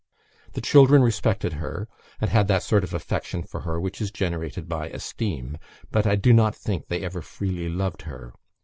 The children respected her, and had that sort of affection for her which is generated by esteem; but I do not think they ever freely loved her.